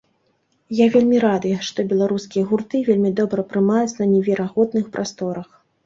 Я вельмі рады, што беларускія гурты вельмі добра прымаюць на неверагодных прасторах!